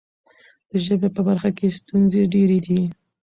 د ژبې په برخه کې ستونزې ډېرې دي.